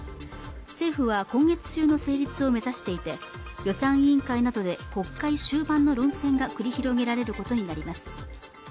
政府は今月中の成立を目指していて予算委員会などで国会終盤の論戦が繰り広げられることになります